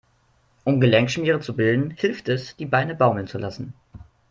Um Gelenkschmiere zu bilden, hilft es, die Beine baumeln zu lassen.